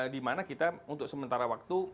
dimana kita untuk sementara waktu